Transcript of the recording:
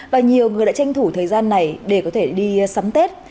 và nhiều người đã tranh thủ thời gian này để có thể đi sắm tết